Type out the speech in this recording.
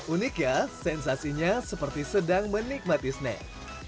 unik ya sensasinya seperti sedang menikmati snack